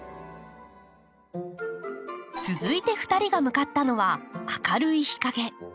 続いて２人が向かったのは明るい日かげ。